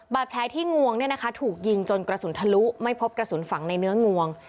แผลที่งวงถูกยิงจนกระสุนทะลุไม่พบกระสุนฝังในเนื้องวง